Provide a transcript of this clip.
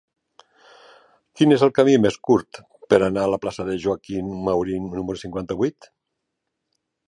Quin és el camí més curt per anar a la plaça de Joaquín Maurín número cinquanta-vuit?